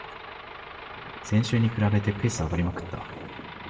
先週に比べてペース上がりまくった